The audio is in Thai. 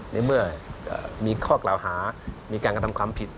ในเมื่อมีข้อกล่าวหามีการกระทำความผิด